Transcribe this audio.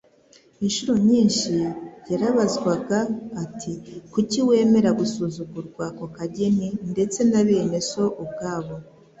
Inshuro nyinshi yarabazwaga ati, Kuki wemera gusuzugurwa ako kageni, ndetse na bene so ubwabo